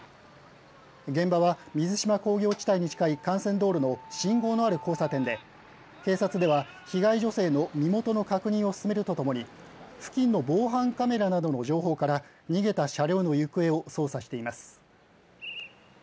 現場は水島工業地帯に近い幹線道路の信号のある交差点で、警察では被害女性の身元の確認を進めるとともに、付近の防犯カメラなどの情報から、逃げた車両の行方を捜査しています。